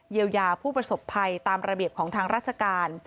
ยายาผู้ประสบภัยตามระเบียบของทางราชการ